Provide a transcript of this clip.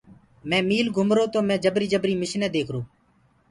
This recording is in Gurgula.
مي ميٚل گهمرو تو مي جبري جبري مشني ديکرو۔